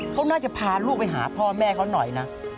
เขาน่าจะพาลูกไปหาพ่อแม่เขาหน่อยนะ